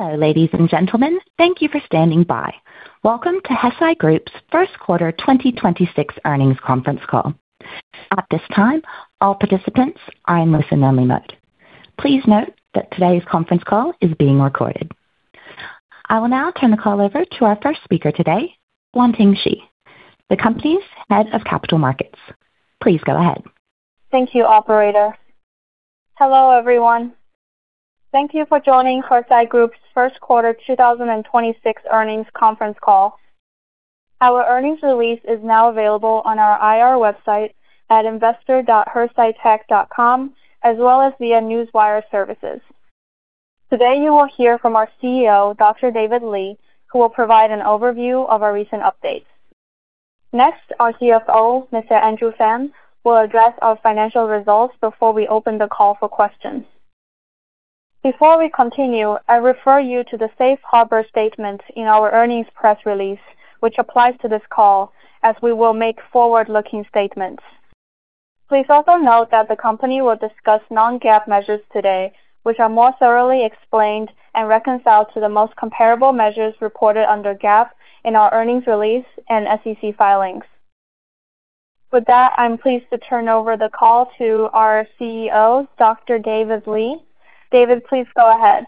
Hello, ladies and gentlemen. Thank you for standing by. Welcome to Hesai Group's First Quarter 2026 Earnings Conference Call. At this time, all participants are in listen-only mode. Please note that today's conference call is being recorded. I will now turn the call over to our first speaker today, Yuanting Shi, the company's Head of Capital Markets. Please go ahead. Thank you, operator. Hello, everyone. Thank you for joining Hesai Group's first quarter 2026 earnings conference call. Our earnings release is now available on our IR website at investor.hesaitech.com, as well as via Newswire services. Today you will hear from our CEO, Dr. David Li, who will provide an overview of our recent updates. Next, our CFO, Mr. Andrew Fan, will address our financial results before we open the call for questions. Before we continue, I refer you to the safe harbor statement in our earnings press release, which applies to this call, as we will make forward-looking statements. Please also note that the company will discuss non-GAAP measures today, which are more thoroughly explained and reconciled to the most comparable measures reported under GAAP in our earnings release and SEC filings. With that, I'm pleased to turn over the call to our CEO, Dr. David Li. David, please go ahead.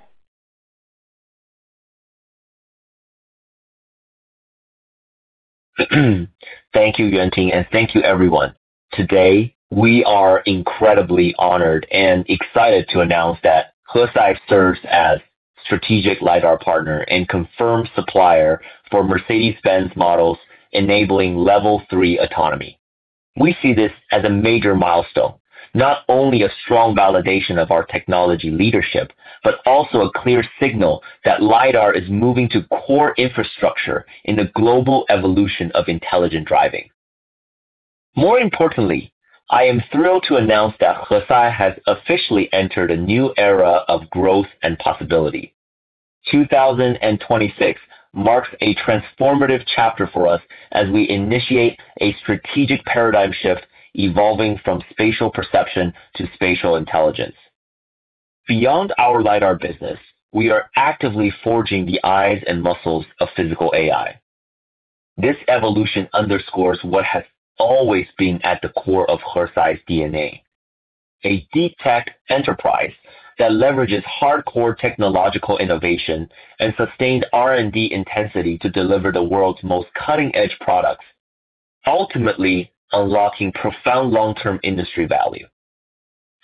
Thank you, Yuanting, and thank you, everyone. Today, we are incredibly honored and excited to announce that Hesai serves as strategic lidar partner and confirmed supplier for Mercedes-Benz models enabling Level 3 autonomy. We see this as a major milestone, not only a strong validation of our technology leadership, but also a clear signal that lidar is moving to core infrastructure in the global evolution of intelligent driving. More importantly, I am thrilled to announce that Hesai has officially entered a new era of growth and possibility. 2026 marks a transformative chapter for us as we initiate a strategic paradigm shift evolving from spatial perception to spatial intelligence. Beyond our lidar business, we are actively forging the eyes and muscles of physical AI. This evolution underscores what has always been at the core of Hesai's DNA, a deep tech enterprise that leverages hardcore technological innovation and sustained R&D intensity to deliver the world's most cutting-edge products, ultimately unlocking profound long-term industry value.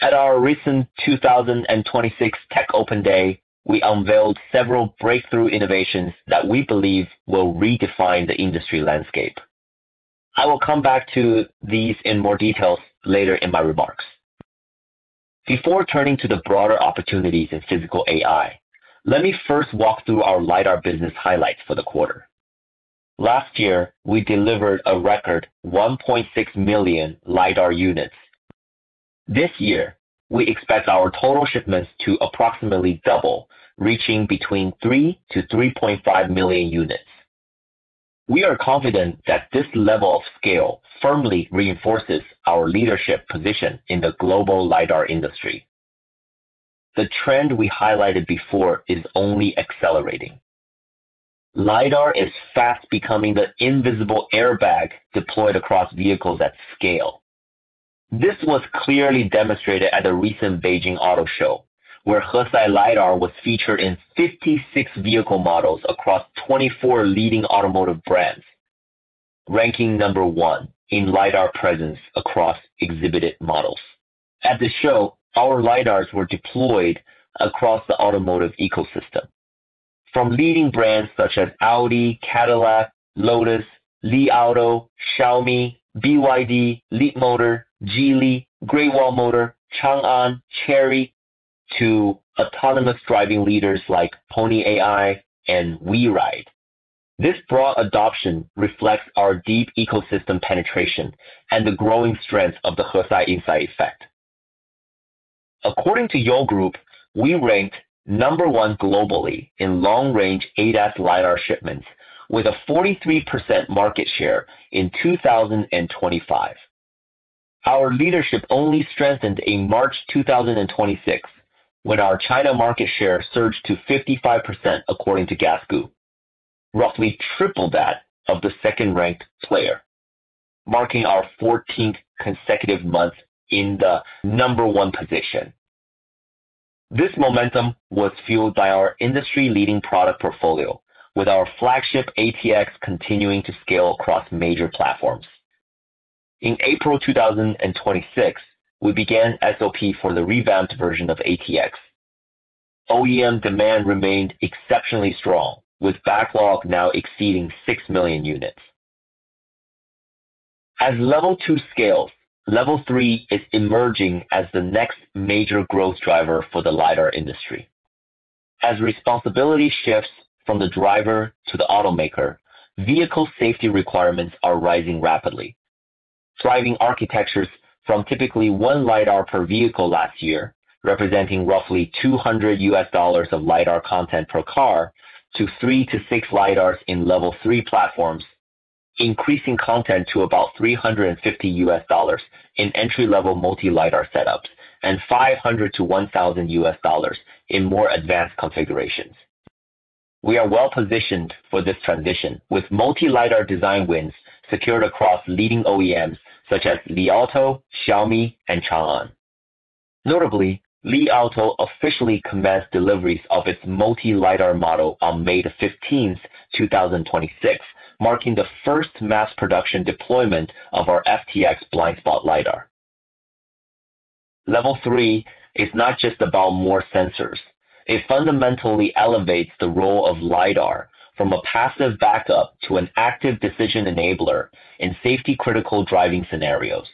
At our recent 2026 Tech Open Day, we unveiled several breakthrough innovations that we believe will redefine the industry landscape. I will come back to these in more details later in my remarks. Before turning to the broader opportunities in physical AI, let me first walk through our lidar business highlights for the quarter. Last year, we delivered a record 1.6 million lidar units. This year, we expect our total shipments to approximately double, reaching between 3 million-3.5 million units. We are confident that this level of scale firmly reinforces our leadership position in the global lidar industry. The trend we highlighted before is only accelerating. LiDAR is fast becoming the invisible airbag deployed across vehicles at scale. This was clearly demonstrated at the recent Beijing Auto Show, where Hesai LiDAR was featured in 56 vehicle models across 24 leading automotive brands, ranking number one in LiDAR presence across exhibited models. At the show, our LiDARs were deployed across the automotive ecosystem. From leading brands such as Audi, Cadillac, Lotus, Li Auto, Xiaomi, BYD, Leapmotor, Geely, Great Wall Motor, Changan, Chery, to autonomous driving leaders like Pony.ai and WeRide. This broad adoption reflects our deep ecosystem penetration and the growing strength of the Hesai Inside effect. According to Yole Group, we ranked number one globally in long-range ADAS LiDAR shipments with a 43% market share in 2025. Our leadership only strengthened in March 2026, when our China market share surged to 55%, according to Gasgoo, roughly triple that of the second-ranked player, marking our 14th consecutive month in the number one position. This momentum was fueled by our industry-leading product portfolio, with our flagship ATX continuing to scale across major platforms. In April 2026, we began SOP for the revamped version of ATX. OEM demand remained exceptionally strong, with backlog now exceeding 6 million units. As Level 2 scales, Level 3 is emerging as the next major growth driver for the lidar industry. As responsibility shifts from the driver to the automaker, vehicle safety requirements are rising rapidly, driving architectures from typically one lidar per vehicle last year, representing roughly $200 of lidar content per car, to three to six lidars in Level 3 platforms. Increasing content to about $350 in entry-level multi-lidar setups and $500-$1,000 in more advanced configurations. We are well-positioned for this transition with multi-lidar design wins secured across leading OEMs such as Li Auto, Xiaomi, and Changan. Notably, Li Auto officially commenced deliveries of its multi-lidar model on May 15th, 2026, marking the first mass production deployment of our FTX blind spot lidar. Level 3 is not just about more sensors. It fundamentally elevates the role of lidar from a passive backup to an active decision enabler in safety-critical driving scenarios.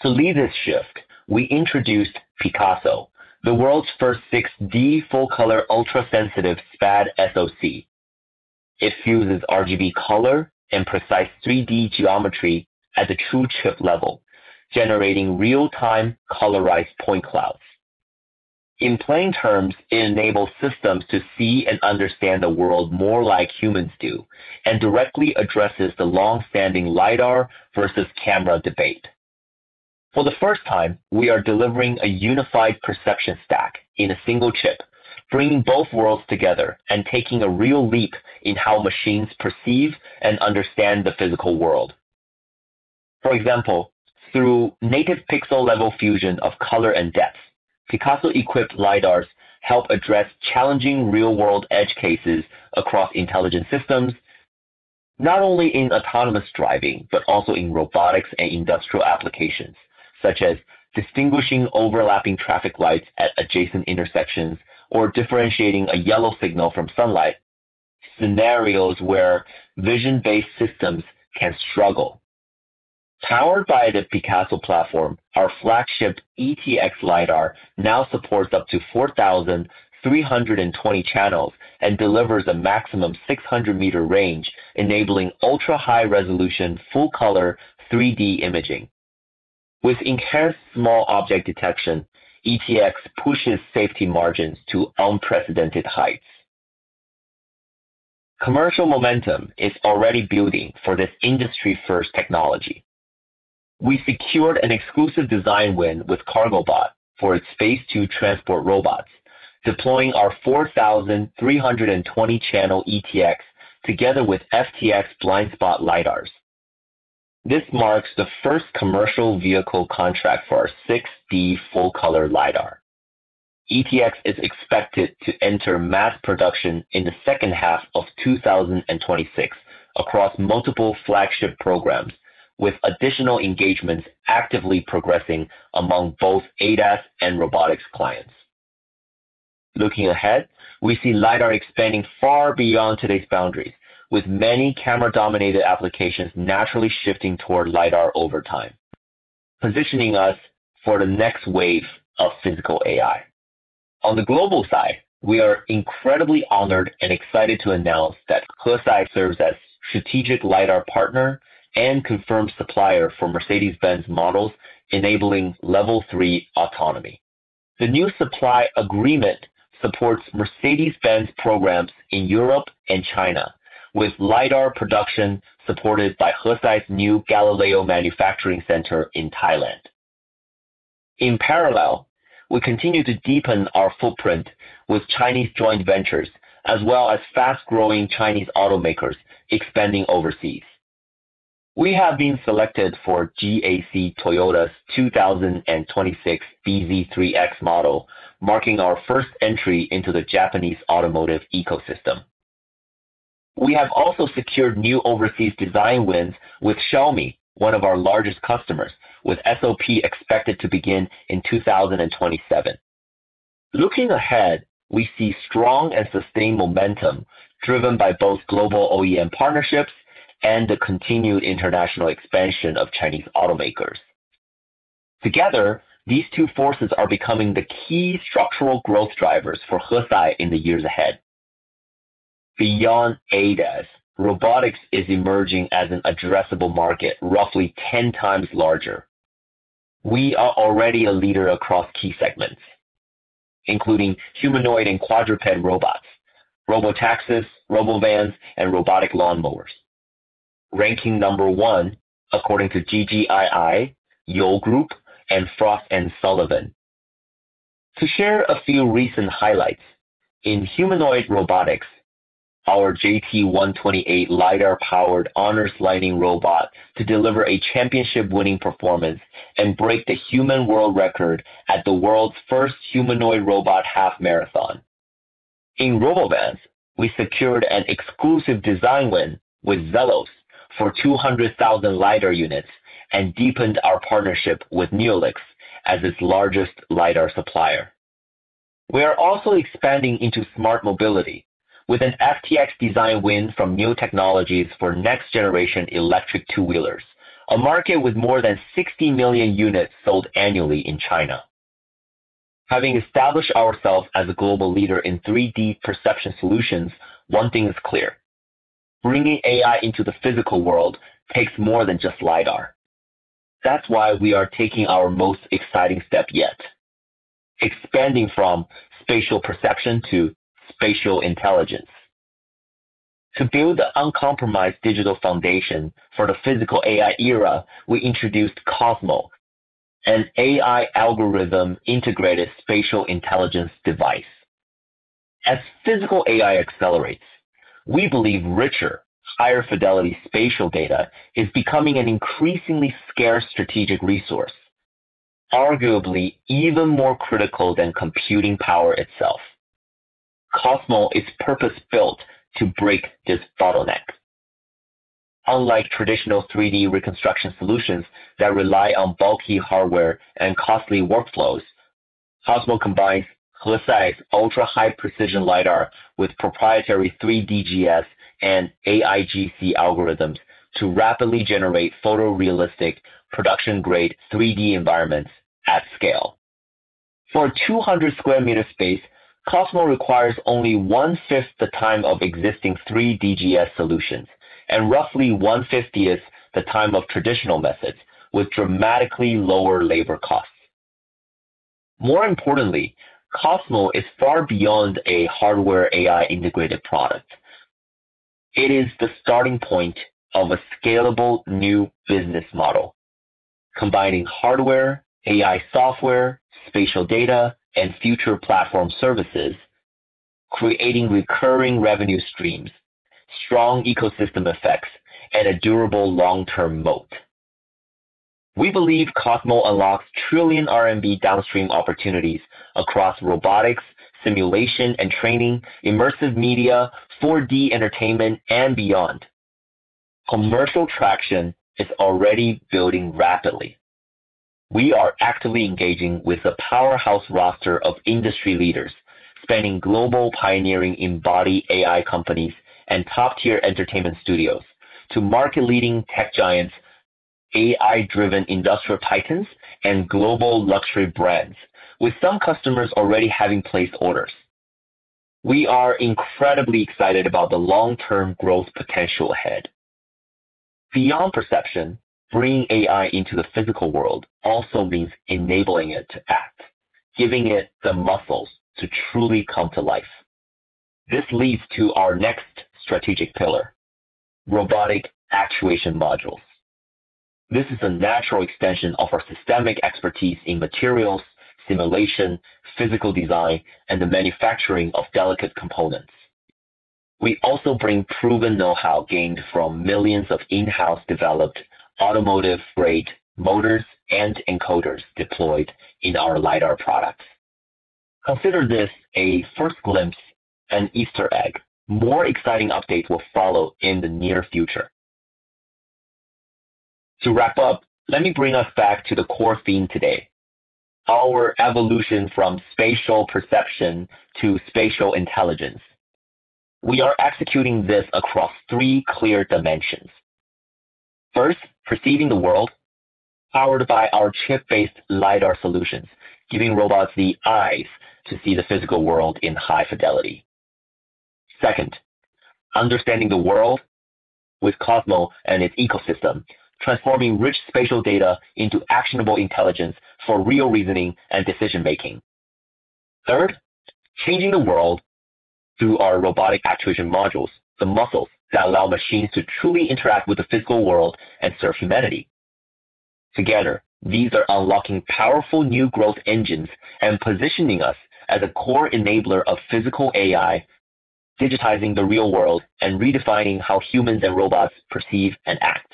To lead this shift, we introduced Picasso, the world’s first 6D full-color ultra-sensitive SPAD-SoC. It fuses RGB color and precise 3D geometry at the true chip level, generating real-time colorized point clouds. In plain terms, it enables systems to see and understand the world more like humans do and directly addresses the long-standing lidar versus camera debate. For the first time, we are delivering a unified perception stack in a single chip, bringing both worlds together and taking a real leap in how machines perceive and understand the physical world. For example, through native pixel-level fusion of color and depth, Picasso-equipped lidars help address challenging real-world edge cases across intelligent systems, not only in autonomous driving, but also in robotics and industrial applications, such as distinguishing overlapping traffic lights at adjacent intersections or differentiating a yellow signal from sunlight, scenarios where vision-based systems can struggle. Powered by the Picasso, our flagship ETX now supports up to 4,320 channels and delivers a maximum 600 m range, enabling ultra-high resolution, full-color, 3D imaging. With enhanced small object detection, ETX pushes safety margins to unprecedented heights. Commercial momentum is already building for this industry-first technology. We secured an exclusive design win with KargoBot for its Phase 2 transport robots, deploying our 4,320 channel ETX together with FTX blind spot lidars. This marks the first commercial vehicle contract for our 6D full-color lidar. ETX is expected to enter mass production in the second half of 2026 across multiple flagship programs, with additional engagements actively progressing among both ADAS and robotics clients. Looking ahead, we see lidar expanding far beyond today’s boundaries, with many camera-dominated applications naturally shifting toward lidar over time, positioning us for the next wave of physical AI. On the global side, we are incredibly honored and excited to announce that Hesai serves as strategic lidar partner and confirmed supplier for Mercedes-Benz models enabling Level 3 autonomy. The new supply agreement supports Mercedes-Benz programs in Europe and China, with lidar production supported by Hesai’s new Galileo manufacturing center in Thailand. In parallel, we continue to deepen our footprint with Chinese joint ventures, as well as fast-growing Chinese automakers expanding overseas. We have been selected for GAC Toyota’s 2026 bZ3X model, marking our first entry into the Japanese automotive ecosystem. We have also secured new overseas design wins with Xiaomi, one of our largest customers, with SOP expected to begin in 2027. Looking ahead, we see strong and sustained momentum driven by both global OEM partnerships and the continued international expansion of Chinese automakers. Together, these two forces are becoming the key structural growth drivers for Hesai in the years ahead. Beyond ADAS, robotics is emerging as an addressable market roughly 10 times larger. We are already a leader across key segments, including humanoid and quadruped robots, robotaxis, robovans, and robotic lawnmowers. Ranking number one, according to GGII, Yole Group, and Frost & Sullivan. To share a few recent highlights, in humanoid robotics, our JT128 lidar-powered Honor's Lighting robot to deliver a championship-winning performance and break the human world record at the world's first humanoid robot half-marathon. In robovans, we secured an exclusive design win with Zelos for 200,000 lidar units and deepened our partnership with Neolix as its largest lidar supplier. We are also expanding into smart mobility with an FTX design win from NIU Technologies for next-generation electric two-wheelers, a market with more than 60 million units sold annually in China. Having established ourselves as a global leader in 3D perception solutions, one thing is clear: bringing AI into the physical world takes more than just lidar. We are taking our most exciting step yet, expanding from spatial perception to spatial intelligence. To build the uncompromised digital foundation for the physical AI era, we introduced Kosmo, an AI algorithm integrated spatial intelligence device. As physical AI accelerates, we believe richer, higher fidelity spatial data is becoming an increasingly scarce strategic resource, arguably even more critical than computing power itself. Kosmo is purpose-built to break this bottleneck. Unlike traditional 3D reconstruction solutions that rely on bulky hardware and costly workflows, Kosmo combines Hesai's ultra-high precision lidar with proprietary 3DGS and AIGC algorithms to rapidly generate photorealistic production-grade 3D environments at scale. For a 200 sq m space, Kosmo requires only one-fifth the time of existing 3DGS solutions and roughly one-fiftieth the time of traditional methods with dramatically lower labor costs. More importantly, Kosmo is far beyond a hardware AI integrated product. It is the starting point of a scalable new business model. Combining hardware, AI software, spatial data, and future platform services, creating recurring revenue streams, strong ecosystem effects, and a durable long-term moat. We believe Kosmo unlocks 1 trillion RMB downstream opportunities across robotics, simulation and training, immersive media, 4D entertainment, and beyond. Commercial traction is already building rapidly. We are actively engaging with a powerhouse roster of industry leaders, spanning global pioneering embodied AI companies and top-tier entertainment studios to market-leading tech giants, AI-driven industrial titans, and global luxury brands, with some customers already having placed orders. We are incredibly excited about the long-term growth potential ahead. Beyond perception, bringing AI into the physical world also means enabling it to act, giving it the muscles to truly come to life. This leads to our next strategic pillar, robotic actuation modules. This is a natural extension of our systemic expertise in materials, simulation, physical design, and the manufacturing of delicate components. We also bring proven know-how gained from millions of in-house developed automotive-grade motors and encoders deployed in our LiDAR products. Consider this a first glimpse, an Easter egg. More exciting updates will follow in the near future. To wrap up, let me bring us back to the core theme today, our evolution from spatial perception to spatial intelligence. We are executing this across three clear dimensions. First, perceiving the world powered by our chip-based lidar solutions, giving robots the eyes to see the physical world in high fidelity. Second, understanding the world with Kosmo and its ecosystem, transforming rich spatial data into actionable intelligence for real reasoning and decision-making. Third, changing the world through our robotic actuation modules, the muscles that allow machines to truly interact with the physical world and serve humanity. Together, these are unlocking powerful new growth engines and positioning us as a core enabler of physical AI, digitizing the real world and redefining how humans and robots perceive and act.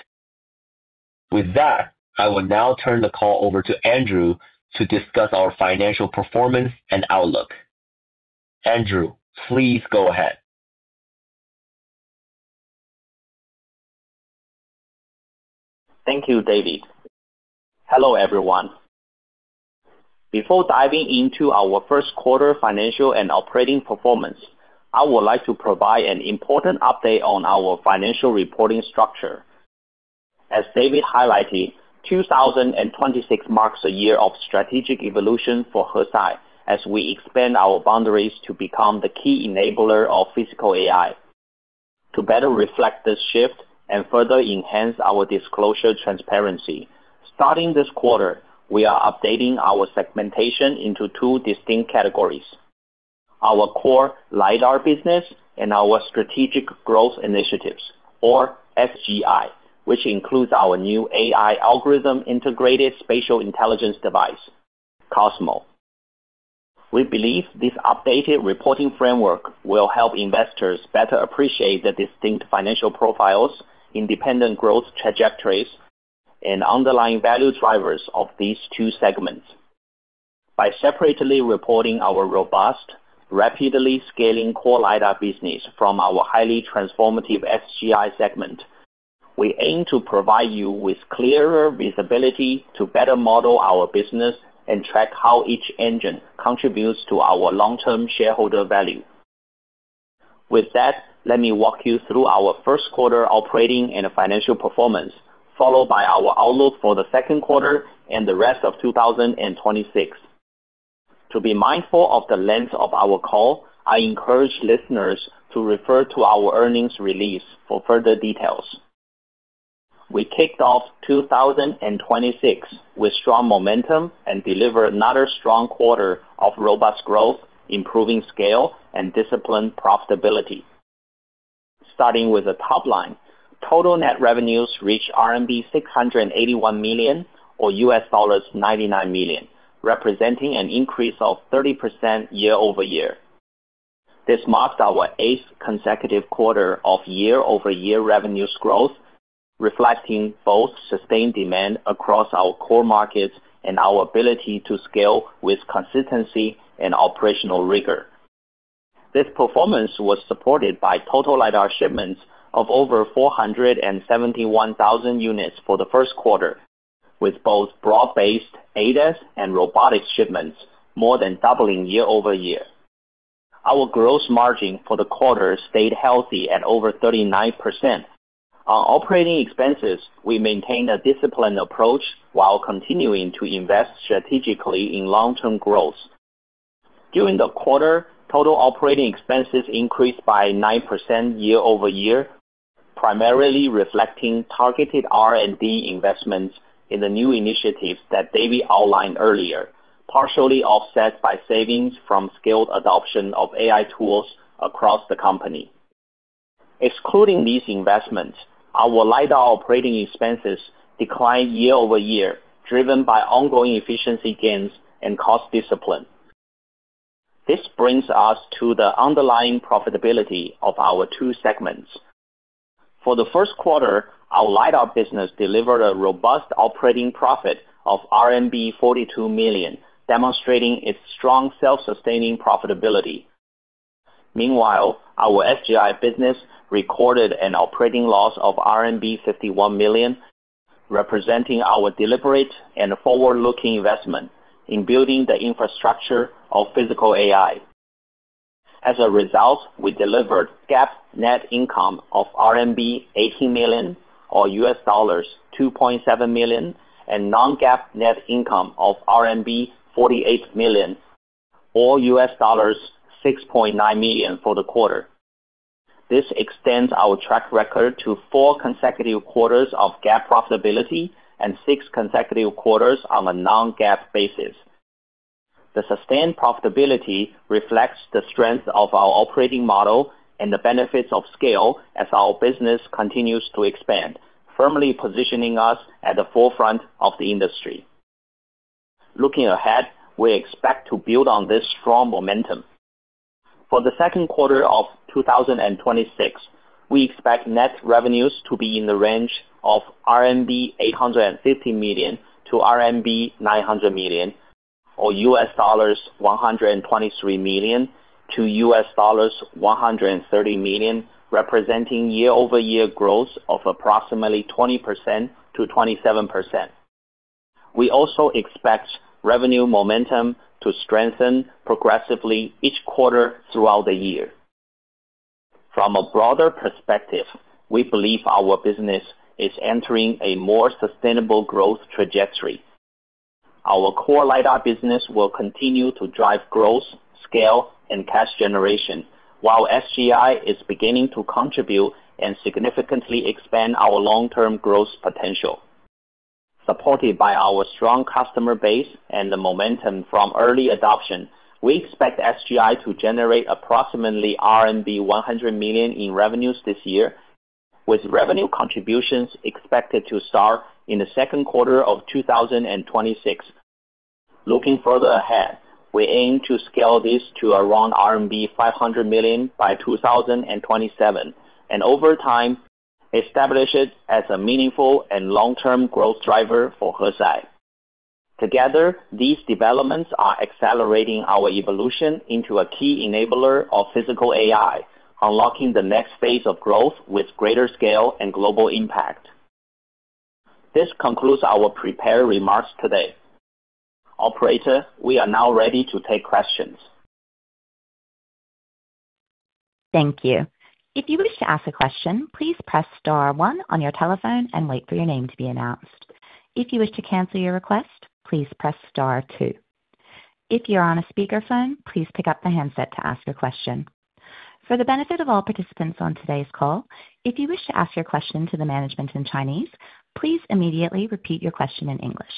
With that, I will now turn the call over to Andrew to discuss our financial performance and outlook. Andrew, please go ahead. Thank you, David. Hello, everyone. Before diving into our first quarter financial and operating performance, I would like to provide an important update on our financial reporting structure. As David highlighted, 2026 marks a year of strategic evolution for Hesai as we expand our boundaries to become the key enabler of physical AI. To better reflect this shift and further enhance our disclosure transparency, starting this quarter, we are updating our segmentation into two distinct categories. Our core lidar business and our strategic growth initiatives, or SGI, which includes our new AI algorithm integrated spatial intelligence device, Kosmo. We believe this updated reporting framework will help investors better appreciate the distinct financial profiles, independent growth trajectories, and underlying value drivers of these two segments. By separately reporting our robust, rapidly scaling core lidar business from our highly transformative SGI segment, we aim to provide you with clearer visibility to better model our business and track how each engine contributes to our long-term shareholder value. With that, let me walk you through our first quarter operating and financial performance, followed by our outlook for the second quarter and the rest of 2026. To be mindful of the length of our call, I encourage listeners to refer to our earnings release for further details. We kicked off 2026 with strong momentum and delivered another strong quarter of robust growth, improving scale, and disciplined profitability. Starting with the top line, total net revenues reached RMB 681 million, or $99 million, representing an increase of 30% year-over-year. This marks our eighth consecutive quarter of year-over-year revenues growth, reflecting both sustained demand across our core markets and our ability to scale with consistency and operational rigor. This performance was supported by total LiDAR shipments of over 471,000 units for the first quarter, with both broad-based ADAS and robotics shipments more than doubling year-over-year. Our gross margin for the quarter stayed healthy at over 39%. On operating expenses, we maintained a disciplined approach while continuing to invest strategically in long-term growth. During the quarter, total operating expenses increased by 9% year-over-year, primarily reflecting targeted R&D investments in the new initiatives that David outlined earlier, partially offset by savings from scaled adoption of AI tools across the company. Excluding these investments, our LiDAR operating expenses declined year-over-year, driven by ongoing efficiency gains and cost discipline. This brings us to the underlying profitability of our two segments. For the first quarter, our LiDAR business delivered a robust operating profit of RMB 42 million, demonstrating its strong self-sustaining profitability. Meanwhile, our SGI business recorded an operating loss of RMB 51 million, representing our deliberate and forward-looking investment in building the infrastructure of physical AI. As a result, we delivered GAAP net income of RMB 18 million, or $2.7 million, and non-GAAP net income of RMB 48 million, or $6.9 million, for the quarter. This extends our track record to four consecutive quarters of GAAP profitability and six consecutive quarters on a non-GAAP basis. The sustained profitability reflects the strength of our operating model and the benefits of scale as our business continues to expand, firmly positioning us at the forefront of the industry. Looking ahead, we expect to build on this strong momentum. For the second quarter of 2026, we expect net revenues to be in the range of 850 million-900 million RMB, or $123 million-$130 million, representing year-over-year growth of approximately 20%-27%. We also expect revenue momentum to strengthen progressively each quarter throughout the year. From a broader perspective, we believe our business is entering a more sustainable growth trajectory. Our core LiDAR business will continue to drive growth, scale, and cash generation, while SGI is beginning to contribute and significantly expand our long-term growth potential. Supported by our strong customer base and the momentum from early adoption, we expect SGI to generate approximately RMB 100 million in revenues this year, with revenue contributions expected to start in the second quarter of 2026. Looking further ahead, we aim to scale this to around RMB 500 million by 2027, and over time, establish it as a meaningful and long-term growth driver for Hesai. Together, these developments are accelerating our evolution into a key enabler of physical AI, unlocking the next phase of growth with greater scale and global impact. This concludes our prepared remarks today. Operator, we are now ready to take questions. Thank you. If you wish to ask a question, please press star one on your telephone and wait for your name to be announced. If you wish to cancel your request, please press star two. If you're on a speakerphone, please pick up the handset to ask your question. For the benefit of all participants on today's call, if you wish to ask your question to the management in Chinese, please immediately repeat your question in English.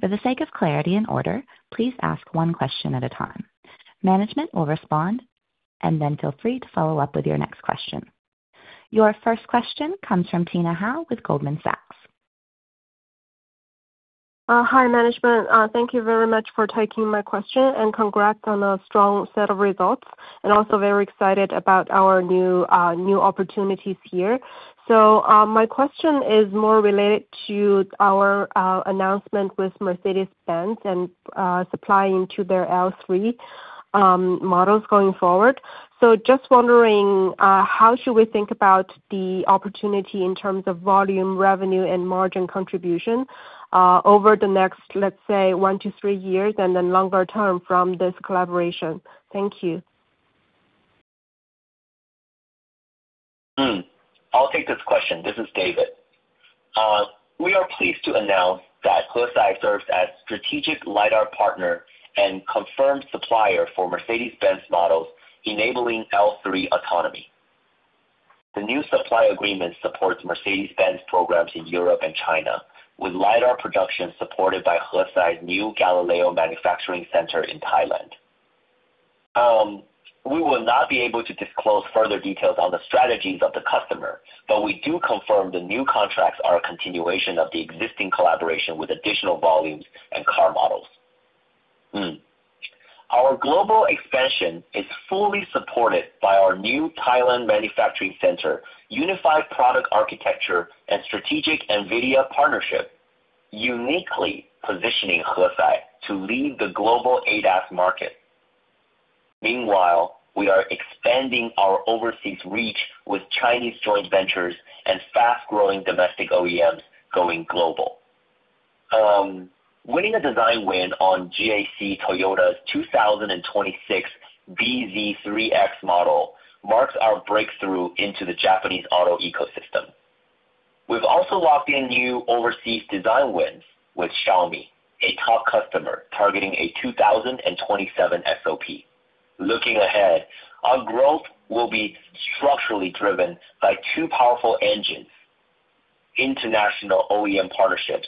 For the sake of clarity and order, please ask one question at a time. Management will respond, and then feel free to follow up with your next question. Your first question comes from Tina Hou with Goldman Sachs. Hi, management. Thank you very much for taking my question, and congrats on a strong set of results. Very excited about our new opportunities here. My question is more related to our announcement with Mercedes-Benz and supplying to their L3 models going forward. Wondering how should we think about the opportunity in terms of volume, revenue, and margin contribution over the next, let's say, one to three years, and then longer term from this collaboration? Thank you. I'll take this question. This is David. We are pleased to announce that Hesai serves as strategic lidar partner and confirmed supplier for Mercedes-Benz models enabling L3 autonomy. The new supply agreement supports Mercedes-Benz programs in Europe and China, with lidar production supported by Hesai Group's new Galileo manufacturing center in Thailand. We will not be able to disclose further details on the strategies of the customer, we do confirm the new contracts are a continuation of the existing collaboration with additional volumes and car models. Our global expansion is fully supported by our new Thailand manufacturing center, unified product architecture, and strategic NVIDIA partnership, uniquely positioning Hesai to lead the global ADAS market. We are expanding our overseas reach with Chinese joint ventures and fast-growing domestic OEMs going global. Winning a design win on GAC Toyota's 2026 bZ3X model marks our breakthrough into the Japanese auto ecosystem. We've also locked in new overseas design wins with Xiaomi, a top customer targeting a 2027 SOP. Looking ahead, our growth will be structurally driven by two powerful engines: international OEM partnerships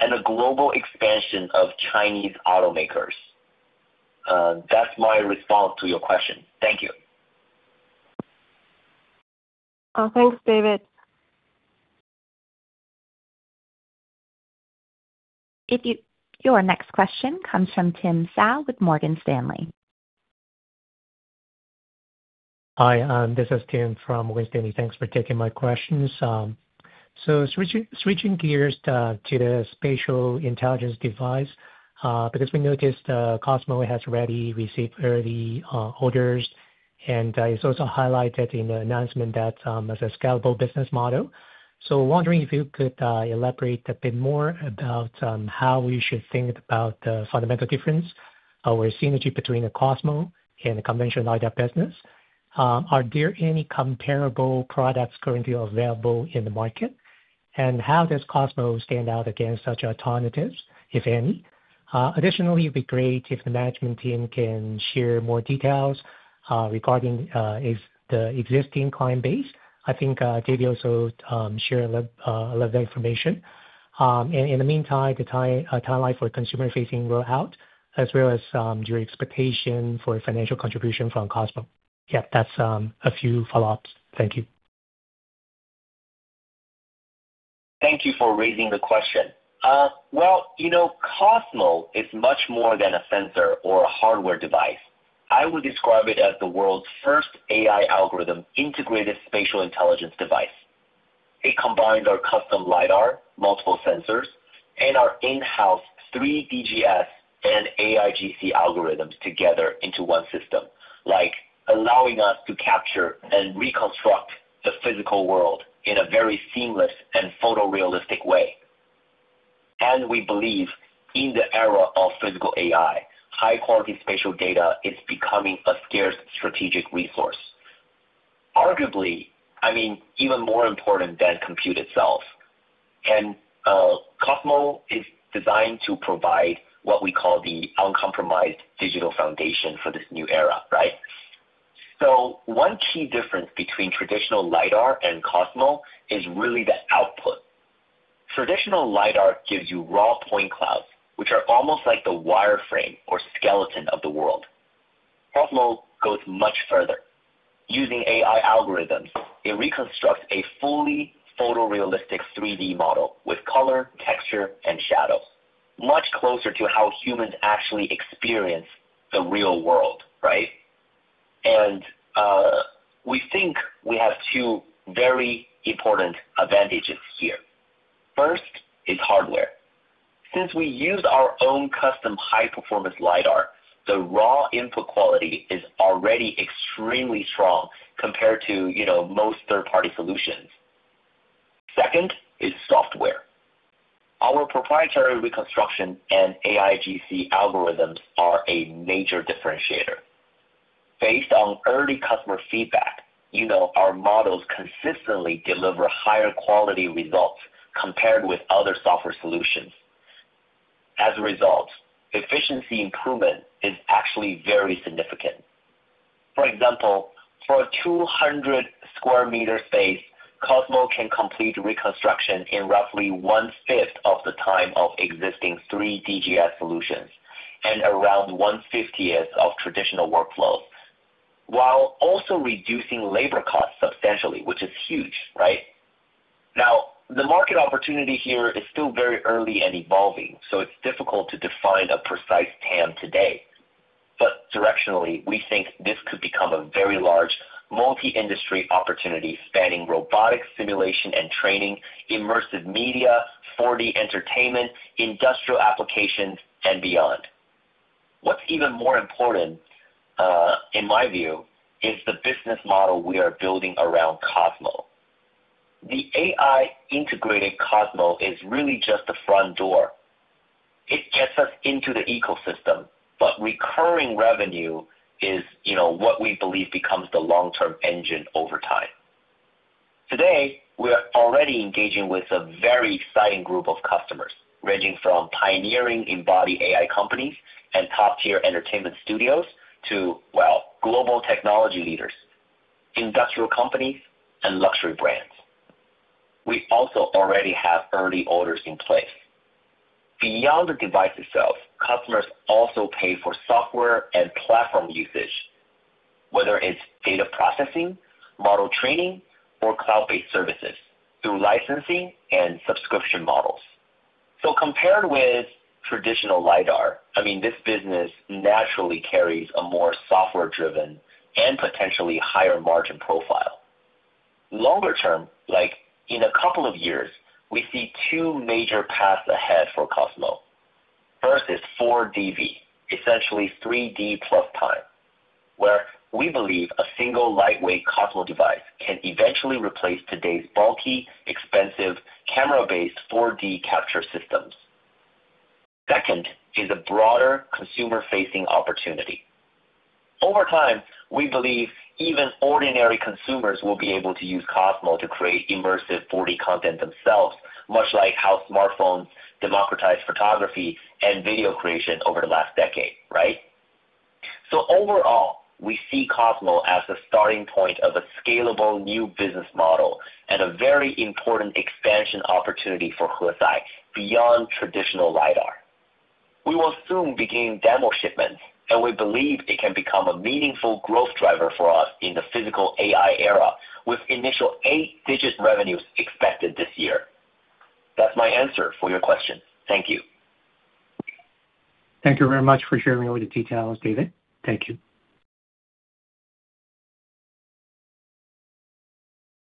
and a global expansion of Chinese automakers. That's my response to your question. Thank you. Thanks, David. Your next question comes from Tim Hsiao with Morgan Stanley. Hi, this is Tim from Morgan Stanley. Thanks for taking my questions. Switching gears to the spatial intelligence device, because we noticed Kosmo has already received early orders, and it's also highlighted in the announcement that as a scalable business model. Wondering if you could elaborate a bit more about how we should think about the fundamental difference or synergy between the Kosmo and the conventional lidar business. Are there any comparable products currently available in the market? How does Kosmo stand out against such alternatives, if any? Additionally, it'd be great if the management team can share more details regarding if the existing client base. I think David also shared a lot of information. In the meantime, timeline for consumer-facing rollout as well as, your expectation for financial contribution from Kosmo. Yeah, that's a few follow-ups. Thank you. Thank you for raising the question. Well, you know, Kosmo is much more than a sensor or a hardware device. I would describe it as the world's first AI algorithm integrated spatial intelligence device. It combines our custom LiDAR, multiple sensors, and our in-house 3DGS and AIGC algorithms together into one system, like allowing us to capture and reconstruct the physical world in a very seamless and photorealistic way. We believe in the era of physical AI, high-quality spatial data is becoming a scarce strategic resource. Arguably, I mean, even more important than compute itself. Kosmo is designed to provide what we call the uncompromised digital foundation for this new era, right? One key difference between traditional LiDAR and Kosmo is really the output. Traditional LiDAR gives you raw point clouds, which are almost like the wireframe or skeleton of the world. Kosmo goes much further. Using AI algorithms, it reconstructs a fully photorealistic 3D model with color, texture, and shadow, much closer to how humans actually experience the real world, right? We think we have two very important advantages here. First is hardware. Since we use our own custom high-performance lidar, the raw input quality is already extremely strong compared to, you know, most third-party solutions. Second is software. Our proprietary reconstruction and AIGC algorithms are a major differentiator. Based on early customer feedback, you know, our models consistently deliver higher quality results compared with other software solutions. As a result, efficiency improvement is actually very significant. For example, for a 200 sq m space, Kosmo can complete reconstruction in roughly one-fifth of the time of existing 3DGS solutions and around one-fiftieth of traditional workflows, while also reducing labor costs substantially, which is huge, right? The market opportunity here is still very early and evolving, so it's difficult to define a precise TAM today. Directionally, we think this could become a very large multi-industry opportunity spanning robotics, simulation and training, immersive media, 4D entertainment, industrial applications and beyond. What's even more important, in my view, is the business model we are building around Kosmo. The AI-integrated Kosmo is really just the front door. It gets us into the ecosystem, but recurring revenue is, you know, what we believe becomes the long-term engine over time. Today, we are already engaging with a very exciting group of customers, ranging from pioneering embodied AI companies and top-tier entertainment studios to, well, global technology leaders, industrial companies, and luxury brands. We also already have early orders in place. Beyond the device itself, customers also pay for software and platform usage, whether it's data processing, model training, or cloud-based services through licensing and subscription models. Compared with traditional LiDAR, I mean, this business naturally carries a more software-driven and potentially higher margin profile. Longer term, like in a couple of years, we see two major paths ahead for Kosmo. First is 4D V, essentially 3D plus time, where we believe a single lightweight Kosmo device can eventually replace today's bulky, expensive camera-based 4D capture systems. Second is a broader consumer-facing opportunity. Over time, we believe even ordinary consumers will be able to use Kosmo to create immersive 4D content themselves, much like how smartphones democratized photography and video creation over the last decade, right? Overall, we see Kosmo as the starting point of a scalable new business model and a very important expansion opportunity for Hesai beyond traditional lidar. We will soon begin demo shipments, and we believe it can become a meaningful growth driver for us in the physical AI era, with initial eight-digit revenues expected this year. That's my answer for your question. Thank you. Thank you very much for sharing all the details, David. Thank you.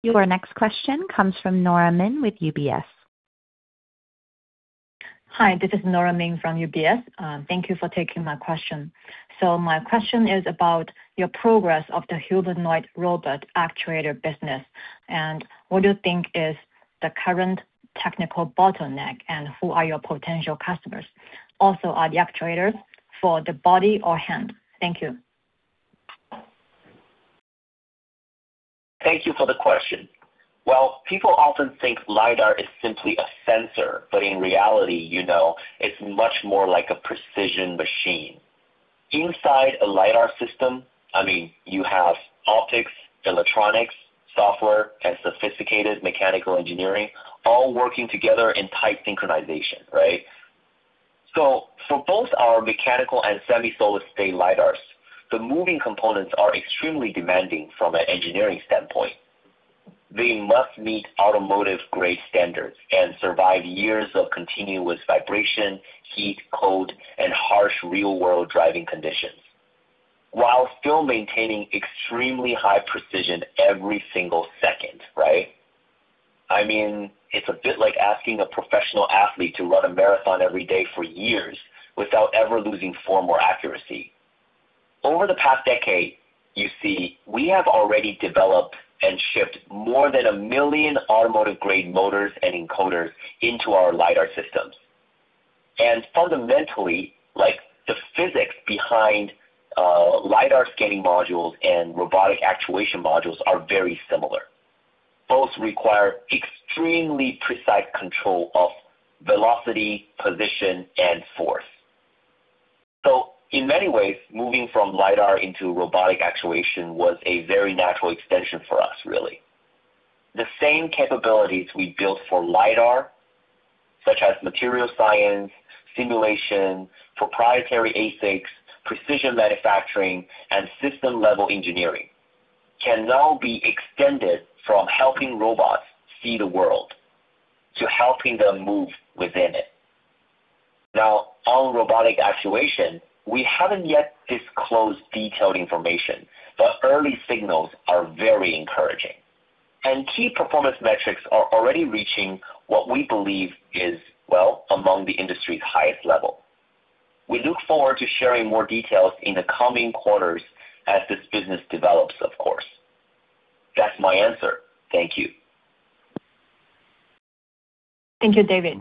Your next question comes from Nora Min with UBS. Hi, this is Nora Min from UBS. Thank you for taking my question. My question is about your progress of the humanoid robot actuator business, and what do you think is the current technical bottleneck, and who are your potential customers? Also, are the actuators for the body or hand? Thank you. Thank you for the question. Well, people often think LiDAR is simply a sensor, but in reality, you know, it's much more like a precision machine. Inside a LiDAR system, I mean, you have optics, electronics, software, and sophisticated mechanical engineering all working together in tight synchronization, right? For both our mechanical and semi-solid state LiDARs, the moving components are extremely demanding from an engineering standpoint. They must meet automotive-grade standards and survive years of continuous vibration, heat, cold, and harsh real-world driving conditions while still maintaining extremely high precision every single second, right? I mean, it's a bit like asking a professional athlete to run a marathon every day for years without ever losing form or accuracy. Over the past decade, you see, we have already developed and shipped more than 1 million automotive-grade motors and encoders into our LiDAR systems. Fundamentally, like, the physics behind LiDAR scanning modules and robotic actuation modules are very similar. Both require extremely precise control of velocity, position, and force. In many ways, moving from LiDAR into robotic actuation was a very natural extension for us, really. The same capabilities we built for LiDAR, such as material science, simulation, proprietary ASICs, precision manufacturing, and system-level engineering, can now be extended from helping robots see the world to helping them move within it. Now, on robotic actuation, we haven't yet disclosed detailed information, but early signals are very encouraging. Key performance metrics are already reaching what we believe is, well, among the industry's highest level. We look forward to sharing more details in the coming quarters as this business develops, of course. That's my answer. Thank you. Thank you, David.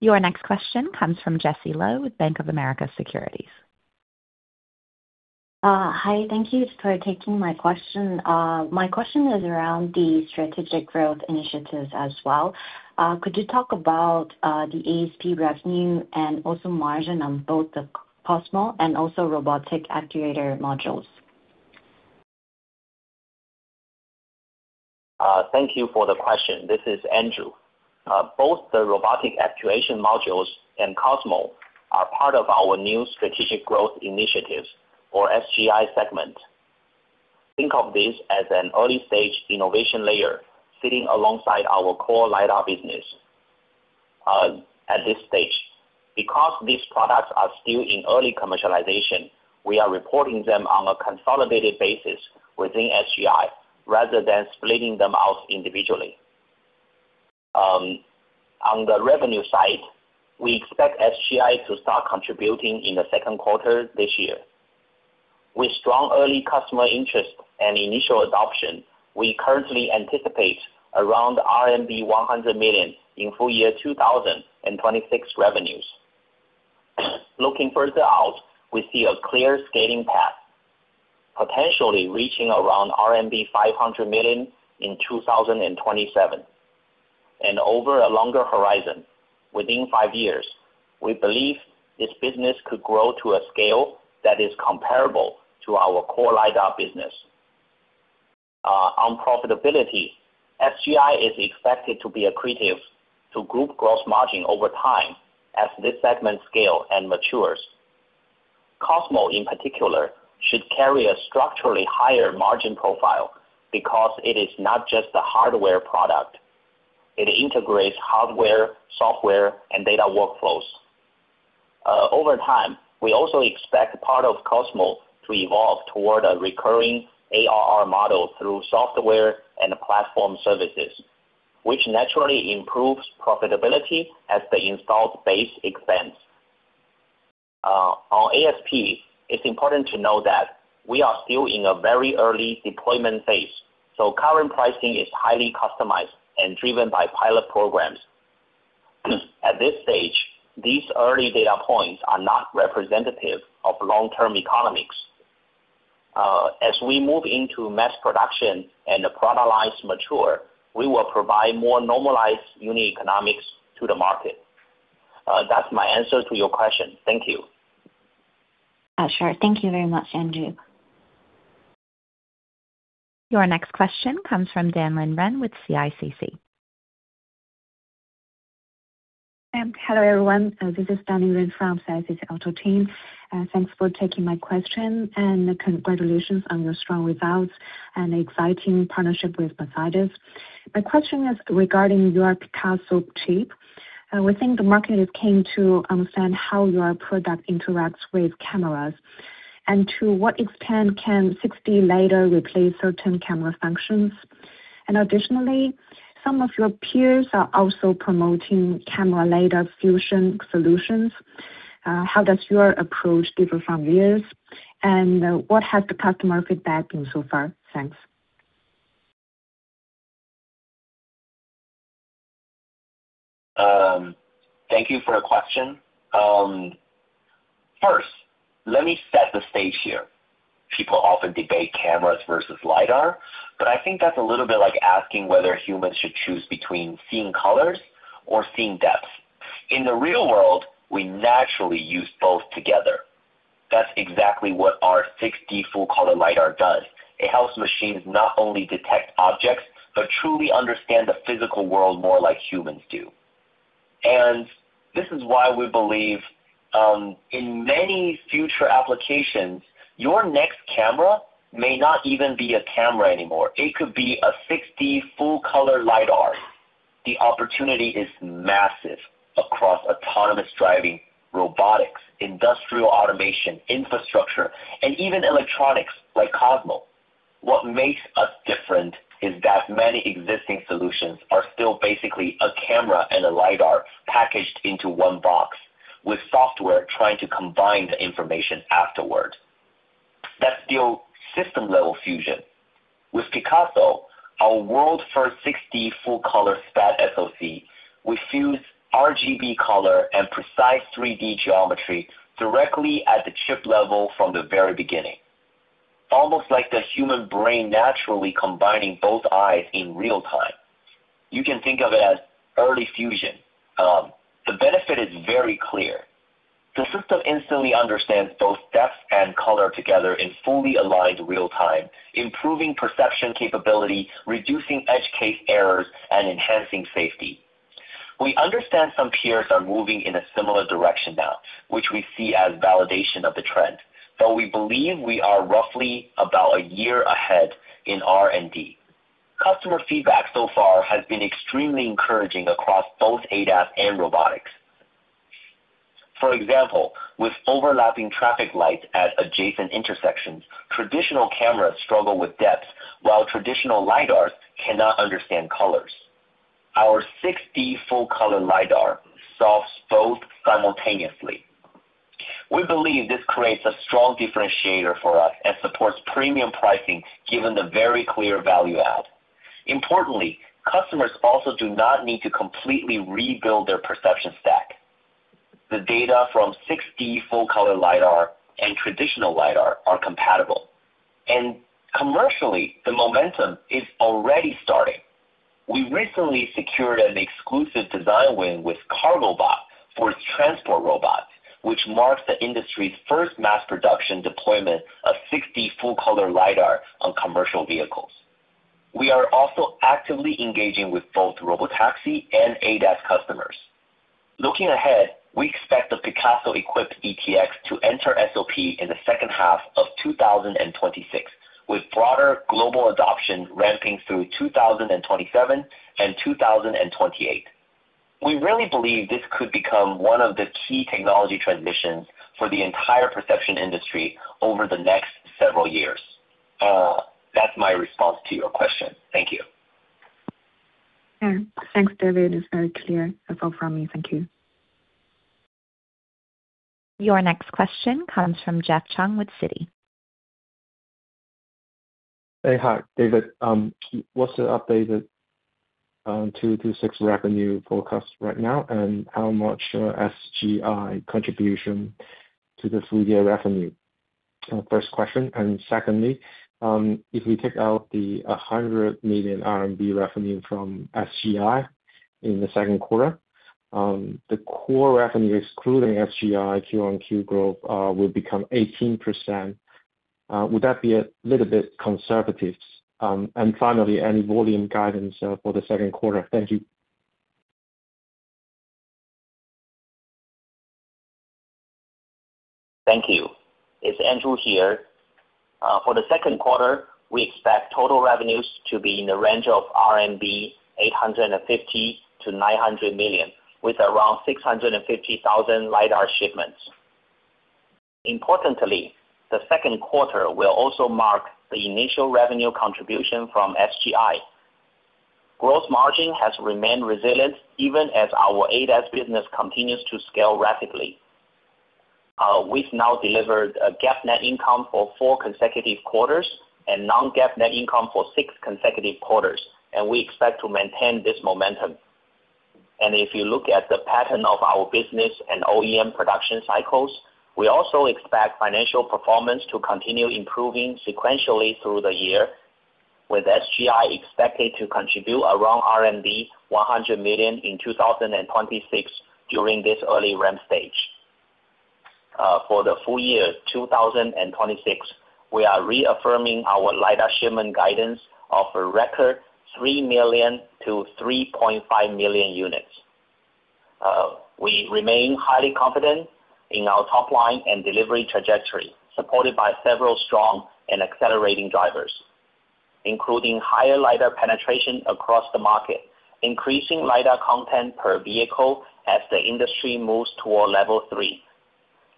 Your next question comes from Jessie Lo with Bank of America Securities. Hi. Thank you for taking my question. My question is around the strategic growth initiatives as well. Could you talk about the ASP revenue and also margin on both the Kosmo and also robotic actuator modules? Thank you for the question. This is Andrew. Both the robotic actuation modules and Kosmo are part of our new strategic growth initiatives or SGI segment. Think of this as an early-stage innovation layer sitting alongside our core lidar business. At this stage, because these products are still in early commercialization, we are reporting them on a consolidated basis within SGI rather than splitting them out individually. On the revenue side, we expect SGI to start contributing in the second quarter this year. With strong early customer interest and initial adoption, we currently anticipate around RMB 100 million in full year 2026 revenues. Looking further out, we see a clear scaling path, potentially reaching around RMB 500 million in 2027. Over a longer horizon, within five years, we believe this business could grow to a scale that is comparable to our core lidar business. On profitability, SGI is expected to be accretive to group gross margin over time as this segment scale and matures. Kosmo, in particular, should carry a structurally higher margin profile because it is not just a hardware product. It integrates hardware, software, and data workflows. Over time, we also expect part of Kosmo to evolve toward a recurring ARR model through software and platform services, which naturally improves profitability as the installed base expands. On ASP, it's important to note that we are still in a very early deployment phase, so current pricing is highly customized and driven by pilot programs. At this stage, these early data points are not representative of long-term economics. As we move into mass production and the product lines mature, we will provide more normalized unit economics to the market. That's my answer to your question. Thank you. Sure. Thank you very much, Andrew. Your next question comes from Danlin Ren with CICC. Hello, everyone. This is Danlin Ren from CICC Auto Team. Thanks for taking my question, and congratulations on your strong results and exciting partnership with [Mercedes]. My question is regarding your Picasso chip. We think the market has came to understand how your product interacts with cameras. To what extent can 6D lidar replace certain camera functions? Additionally, some of your peers are also promoting camera lidar fusion solutions. How does your approach differ from theirs? What has the customer feedback been so far? Thanks. Thank you for the question. First, let me set the stage here. People often debate cameras versus LiDAR, but I think that's a little bit like asking whether humans should choose between seeing colors or seeing depth. In the real world, we naturally use both together. That's exactly what our 6D full-color LiDAR does. It helps machines not only detect objects, but truly understand the physical world more like humans do. This is why we believe, in many future applications, your next camera may not even be a camera anymore. It could be a 6D full-color LiDAR. The opportunity is massive across autonomous driving, robotics, industrial automation, infrastructure, and even electronics like Kosmo. What makes us different is that many existing solutions are still basically a camera and a LiDAR packaged into one box with software trying to combine the information afterward. That's still system-level fusion. With Picasso, our world's first 6D full-color SPAD SoC, we fuse RGB color and precise 3D geometry directly at the chip level from the very beginning, almost like the human brain naturally combining both eyes in real time. You can think of it as early fusion. The benefit is very clear. The system instantly understands both depth and color together in fully aligned real time, improving perception capability, reducing edge case errors, and enhancing safety. We understand some peers are moving in a similar direction now, which we see as validation of the trend, but we believe we are roughly about one year ahead in R&D. Customer feedback so far has been extremely encouraging across both ADAS and robotics. For example, with overlapping traffic lights at adjacent intersections, traditional cameras struggle with depth, while traditional LiDARs cannot understand colors. Our 6D full-color lidar solves both simultaneously. We believe this creates a strong differentiator for us and supports premium pricing given the very clear value add. Importantly, customers also do not need to completely rebuild their perception stack. The data from 6D full-color lidar and traditional lidar are compatible. Commercially, the momentum is already starting. We recently secured an exclusive design win with KargoBot for its transport robot, which marks the industry's first mass production deployment of 6D full-color lidar on commercial vehicles. We are also actively engaging with both Robotaxi and ADAS customers. Looking ahead, we expect the Picasso-equipped ETX to enter SOP in the second half of 2026, with broader global adoption ramping through 2027 and 2028. We really believe this could become one of the key technology transitions for the entire perception industry over the next several years. That's my response to your question. Thank you. Yeah. Thanks, David. It's very clear. That's all from me. Thank you. Your next question comes from Jeff Chung with Citi. Hey. Hi, David. What's the updated [2026] revenue forecast right now, and how much SGI contribution to the full year revenue? First question. Secondly, if we take out the 100 million RMB R&D revenue from SGI in the second quarter, the core revenue excluding SGI Q-on-Q growth will become 18%. Would that be a little bit conservative? Finally, any volume guidance for the second quarter. Thank you. Thank you. It's Andrew here. For the second quarter, we expect total revenues to be in the range of 850 million-900 million RMB, with around 650,000 LiDAR shipments. Importantly, the second quarter will also mark the initial revenue contribution from SGI. Gross margin has remained resilient even as our ADAS business continues to scale rapidly. We've now delivered a GAAP net income for four consecutive quarters and non-GAAP net income for six consecutive quarters. We expect to maintain this momentum. If you look at the pattern of our business and OEM production cycles, we also expect financial performance to continue improving sequentially through the year, with SGI expected to contribute around 100 million in 2026 during this early ramp stage. For the full year 2026, we are reaffirming our LiDAR shipment guidance of a record 3 million-3.5 million units. We remain highly confident in our top line and delivery trajectory, supported by several strong and accelerating drivers, including higher LiDAR penetration across the market, increasing LiDAR content per vehicle as the industry moves toward Level 3.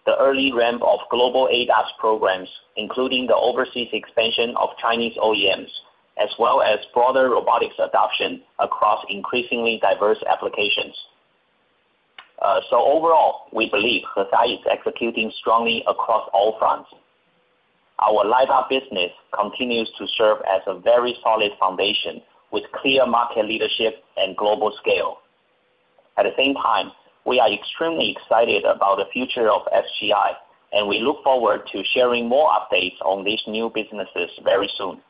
The early ramp of global ADAS programs, including the overseas expansion of Chinese OEMs, as well as broader robotics adoption across increasingly diverse applications. Overall, we believe Hesai is executing strongly across all fronts. Our LiDAR business continues to serve as a very solid foundation with clear market leadership and global scale. At the same time, we are extremely excited about the future of SGI, and we look forward to sharing more updates on these new businesses very soon.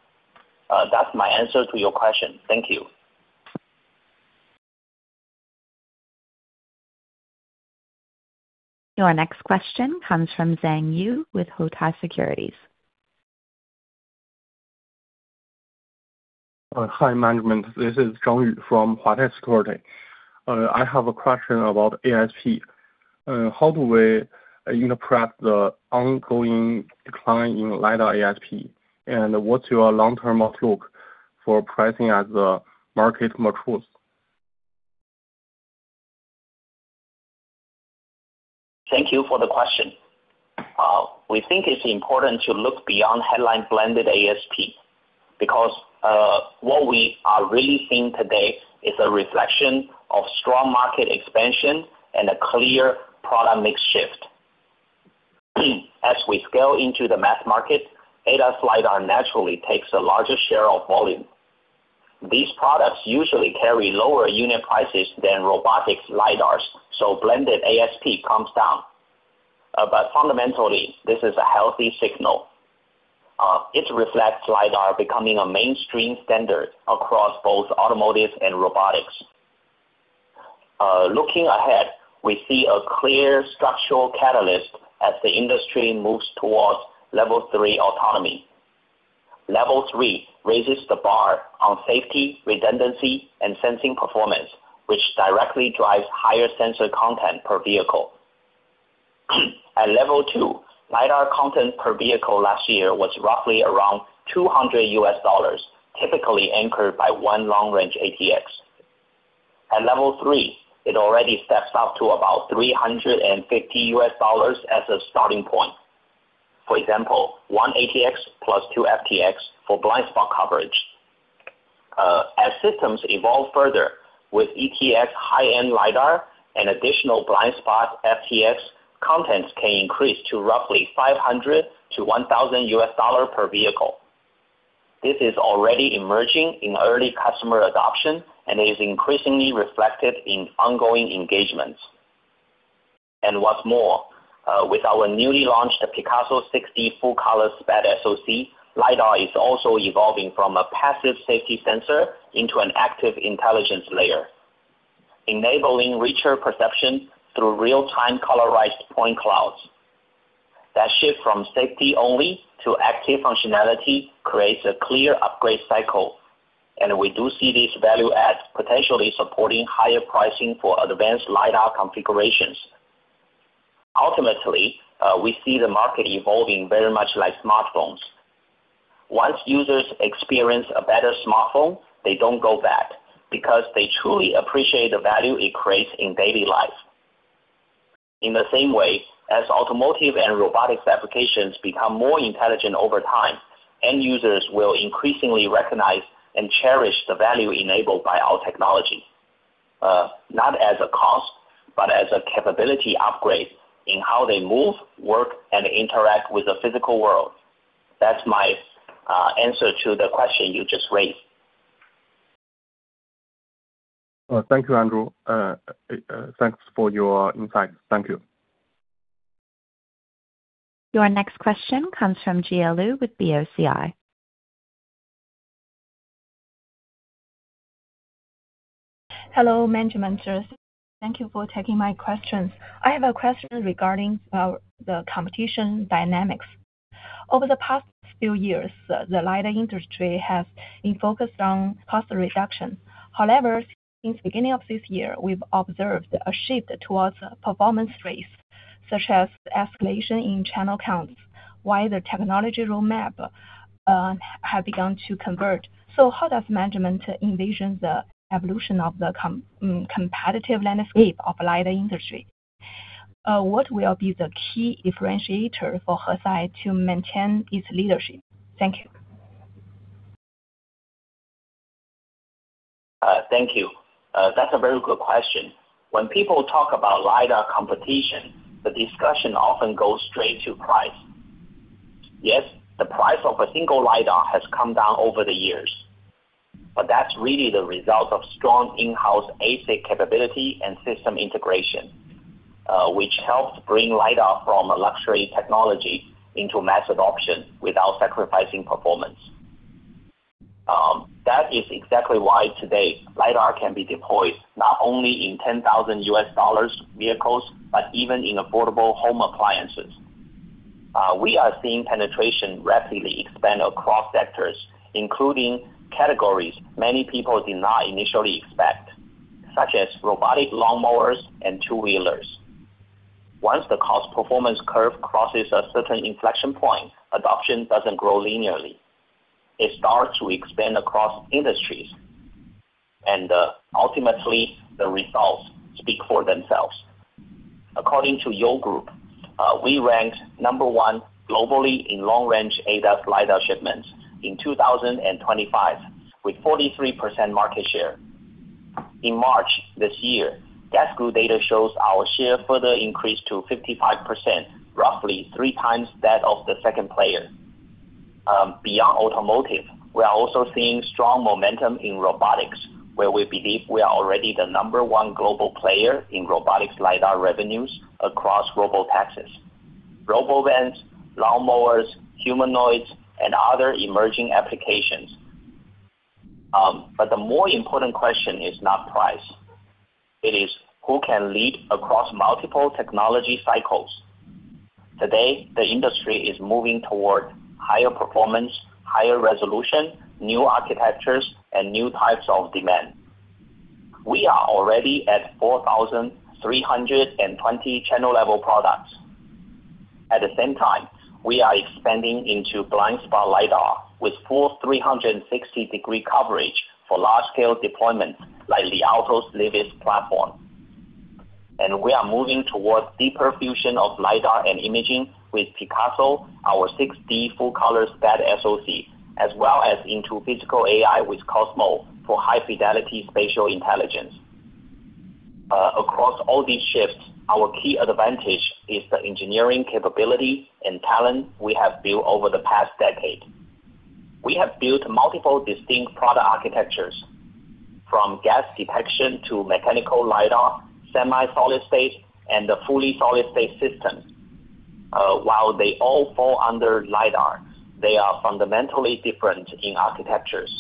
That's my answer to your question. Thank you. Your next question comes from Zhang Yu with Huatai Securities. Hi, management. This is coming from. I have a question about ASP. How do we interpret the ongoing decline in LiDAR ASP? What's your long-term outlook for pricing as the market matures? Thank you for the question. We think it's important to look beyond headline blended ASP because what we are really seeing today is a reflection of strong market expansion and a clear product mix shift. As we scale into the mass market, ADAS LiDAR naturally takes the largest share of volume. These products usually carry lower unit prices than robotics LiDARs, blended ASP comes down. Fundamentally, this is a healthy signal. It reflects LiDAR becoming a mainstream standard across both automotive and robotics. Looking ahead, we see a clear structural catalyst as the industry moves towards Level 3 autonomy. Level 3 raises the bar on safety, redundancy, and sensing performance, which directly drives higher sensor content per vehicle. At Level 2, LiDAR content per vehicle last year was roughly around $200, typically anchored by one long-range ATX. At Level 3, it already steps up to about $350 as a starting point. For example, 1 ATX plus 2 FTX for blind spot coverage. As systems evolve further with ATX high-end LiDAR and additional blind spot FTX, contents can increase to roughly $500-$1,000 per vehicle. This is already emerging in early customer adoption and is increasingly reflected in ongoing engagements. What's more, with our newly launched Picasso 6D full-color SPAD SoC, LiDAR is also evolving from a passive safety sensor into an active intelligence layer, enabling richer perception through real-time colorized point clouds. That shift from safety only to active functionality creates a clear upgrade cycle, and we do see this value add potentially supporting higher pricing for advanced LiDAR configurations. Ultimately, we see the market evolving very much like smartphones. Once users experience a better smartphone, they don't go back because they truly appreciate the value it creates in daily life. In the same way, as automotive and robotics applications become more intelligent over time, end users will increasingly recognize and cherish the value enabled by our technology, not as a cost, but as a capability upgrade in how they move, work, and interact with the physical world. That's my answer to the question you just raised. Well, thank you, Andrew. Thanks for your insights. Thank you. Your next question comes from Jia Lou with BOCI. Hello, management. Thank you for taking my questions. I have a question regarding the competition dynamics. Over the past few years, the LiDAR industry has been focused on cost reduction. However, since beginning of this year, we've observed a shift towards performance race, such as escalation in channel counts, while the technology roadmap have begun to convert. How does management envision the evolution of the competitive landscape of LiDAR industry? What will be the key differentiator for Hesai to maintain its leadership? Thank you. Thank you. That's a very good question. When people talk about LiDAR competition, the discussion often goes straight to price. Yes, the price of a single LiDAR has come down over the years, but that's really the result of strong in-house ASIC capability and system integration, which helped bring LiDAR from a luxury technology into mass adoption without sacrificing performance. That is exactly why today LiDAR can be deployed not only in $10,000 vehicles, but even in affordable home appliances. We are seeing penetration rapidly expand across sectors, including categories many people did not initially expect, such as robotic lawnmowers and two-wheelers. Once the cost performance curve crosses a certain inflection point, adoption doesn't grow linearly. It starts to expand across industries, and ultimately, the results speak for themselves. According to Yole Group, we ranked number one globally in long-range ADAS LiDAR shipments in 2025, with 43% market share. In March this year, Gasgoo data shows our share further increased to 55%, roughly 3x that of the second player. Beyond automotive, we are also seeing strong momentum in robotics, where we believe we are already the number one global player in robotics LiDAR revenues across robo-taxis, robo-vans, lawnmowers, humanoids, and other emerging applications. The more important question is not price. It is who can lead across multiple technology cycles. Today, the industry is moving toward higher performance, higher resolution, new architectures, and new types of demand. We are already at 4,320 channel level products. At the same time, we are expanding into blind spot LiDAR with full 360 degree coverage for large-scale deployments like the Li Auto's L series platform. We are moving towards deeper fusion of LiDAR and imaging with Picasso, our 6D full-color SPAD-SoC, as well as into physical AI with Kosmo for high fidelity spatial intelligence. Across all these shifts, our key advantage is the engineering capability and talent we have built over the past decade. We have built multiple distinct product architectures. From gas detection to mechanical LiDAR, semi solid-state, and the fully solid-state systems. While they all fall under LiDAR, they are fundamentally different in architectures.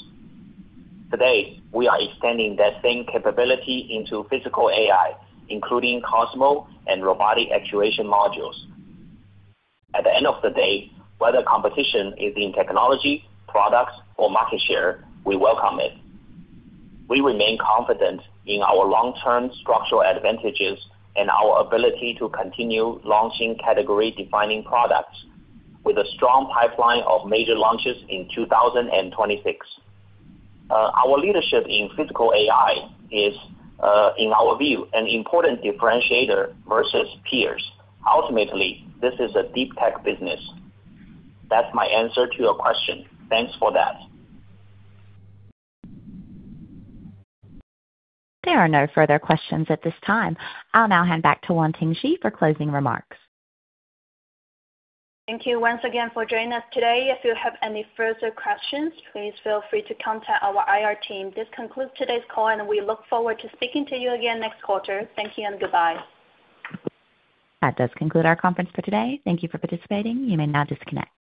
Today, we are extending that same capability into physical AI, including Kosmo and robotic actuation modules. At the end of the day, whether competition is in technology, products, or market share, we welcome it. We remain confident in our long-term structural advantages and our ability to continue launching category-defining products with a strong pipeline of major launches in 2026. Our leadership in physical AI is, in our view, an important differentiator versus peers. Ultimately, this is a deep tech business. That's my answer to your question. Thanks for that. There are no further questions at this time. I'll now hand back to Yuanting Shi for closing remarks. Thank you once again for joining us today. If you have any further questions, please feel free to contact our IR team. This concludes today's call. We look forward to speaking to you again next quarter. Thank you and goodbye. That does conclude our conference for today. Thank you for participating. You may now disconnect.